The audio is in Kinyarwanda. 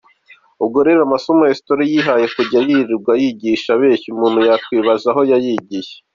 Ubwo rero amasomo ya history yihaye kujya yilirwa yigisha abeshya, umuntu yakwibaza aho yayigiye.